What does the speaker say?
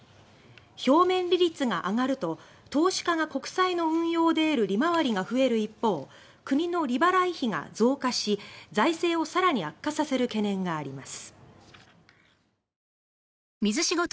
表面利率が上がると投資家が国債の運用で得る利回りが増える一方国の利払い費が増加し財政を更に悪化させる懸念があります。